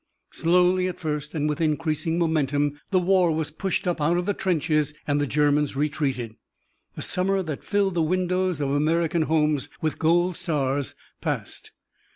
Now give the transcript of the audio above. Slowly at first, and with increasing momentum, the war was pushed up out of the trenches and the Germans retreated. The summer that filled the windows of American homes with gold stars passed.